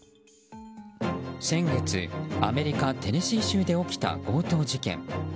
先月、アメリカ・テネシー州で起きた強盗事件。